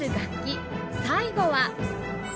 最後は